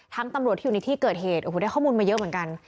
ตำรวจที่อยู่ในที่เกิดเหตุโอ้โหได้ข้อมูลมาเยอะเหมือนกัน